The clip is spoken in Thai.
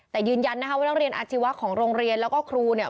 แต่ยืนยันนะคะว่านักเรียนอาชีวะของโรงเรียนแล้วก็ครูเนี่ย